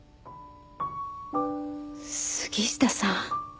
杉下さん。